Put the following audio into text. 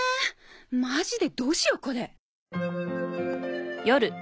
マジでどうしようこれ。